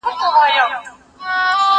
زه پرون مېوې وچوم وم